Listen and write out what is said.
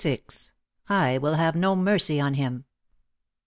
" I WILL HAVE NO MERCY ON HIM."